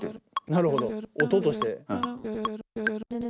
なるほど音として。